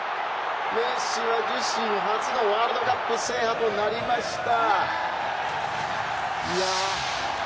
メッシは自身初のワールドカップ制覇となりました。